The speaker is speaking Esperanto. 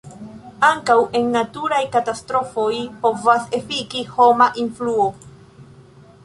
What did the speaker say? Ankaŭ en naturaj katastrofoj povas efiki homa influo.